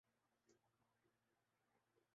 عبدالرحمن کا international cricket سے retirement کا اعلان